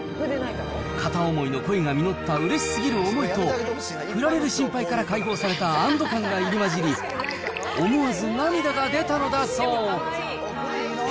片想いの恋が実ったうれしすぎる思いと、振られる心配から解放された安ど感が入り交じり、思わず涙が出たのだそう。